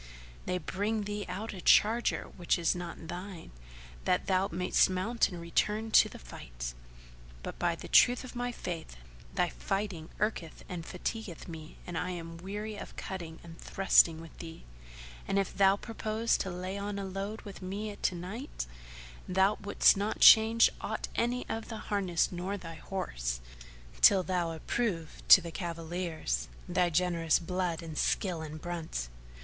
they bring thee out a charger which is not thine, that thou mayst mount and return to the fight. But by the truth of my Faith, thy fighting irketh and fatigueth me and I am weary of cutting and thrusting with thee; and if thou purpose to lay on load with me to night, thou wouldst not change aught of thy harness nor thy horse, till thou approve to the cavaliers, thy generous blood and skill in brunt."